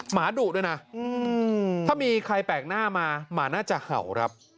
หมาดุด้วยนะถ้ามีใครแปลกหน้ามาหมาน่าจะเห่าครับ